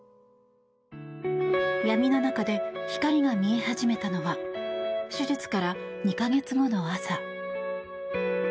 闇の中で光が見え始めたのは手術から２か月後の朝。